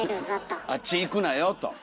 あっち行くなよと。